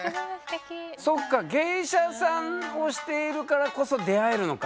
そっか芸者さんをしているからこそ出会えるのか。